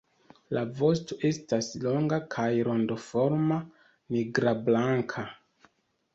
La vosto estas longa kaj rondoforma, nigrablanka.